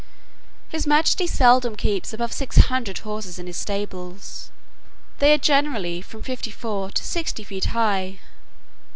His majesty seldom keeps above six hundred horses in his stables: they are generally from fifty four to sixty feet high.